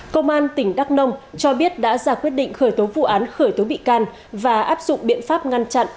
công an tỉnh đắk nông cho biết đã ra quyết định khởi tố vụ án khởi tố bị can và áp dụng biện pháp ngăn chặn